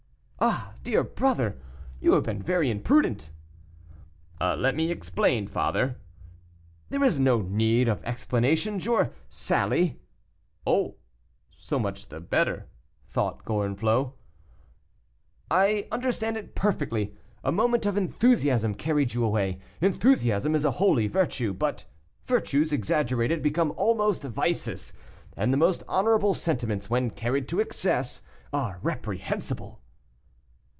"Ah, dear brother, you have been very imprudent." "Let me explain, father." "There is no need of explanations; your sally " "Oh! so much the better," thought Gorenflot. "I understand it perfectly. A moment of enthusiasm carried you away; enthusiasm is a holy virtue, but virtues, exaggerated become almost vices, and the most honorable sentiments, when carried to excess, are reprehensible."